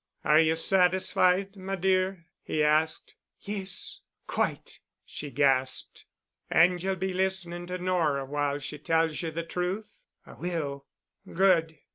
"Are ye satisfied, my dear?" he asked. "Yes. Quite," she gasped. "And you'll be listening to Nora while she tells ye the truth?" "I will." "Good.